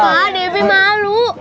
pak debbie malu